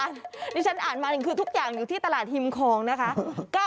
ที่ฉันอ่านมาหนึ่งคือทุกอย่างอยู่ที่ตลาดฮิมคลองนะคะ